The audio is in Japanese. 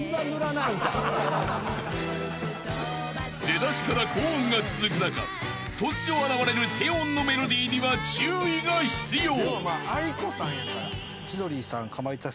［出だしから高音が続く中突如現れる低音のメロディーには注意が必要］